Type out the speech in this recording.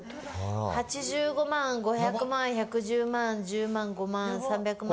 ８５万５００万１０万５万３００万。